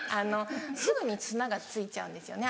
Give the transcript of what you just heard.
すぐに砂がついちゃうんですよね